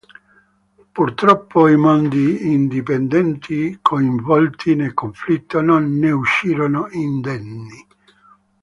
Purtroppo i mondi indipendenti coinvolti ne conflitto non ne uscirono indenni.